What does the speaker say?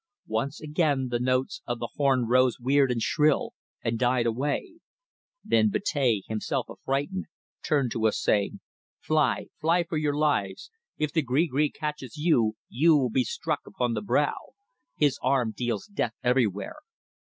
Once again the notes of the horn rose weird and shrill, and died away. Then Betea, himself affrighted, turned to us saying: "Fly! fly for your lives. If the gree gree catches you you will be struck upon the brow. His arm deals death everywhere."